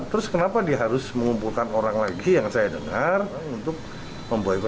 terus kenapa dia harus mengumpulkan orang lagi yang saya dengar untuk memboykot